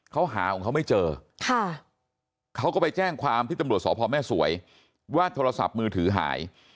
เขาหาของเขาไม่เจอเขาก็ไปแจ้งความที่ตำรวจสพแม่สวยว่าโทรศัพท์มือถือหาย